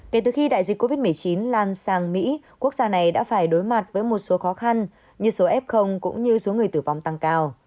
kể từ khi đại dịch covid một mươi chín lan sang mỹ quốc gia này đã phải đối mặt với một số khó khăn như số f cũng như số người tử vong tăng cao